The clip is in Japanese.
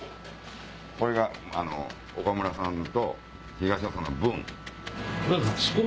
これが岡村さんと東野さんの分。